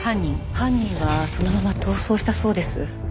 犯人はそのまま逃走したそうです。